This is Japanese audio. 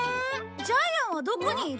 ジャイアンはどこにいる？